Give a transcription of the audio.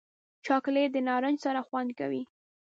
چاکلېټ د نارنج سره خوند کوي.